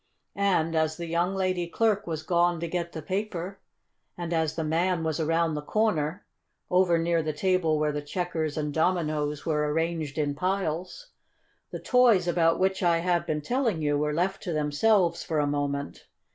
And as the young lady clerk was gone to get the paper and as the man was around the corner, over near the table where the checkers and dominoes were arranged in piles, the toys about which I have been telling you were left to themselves for a moment.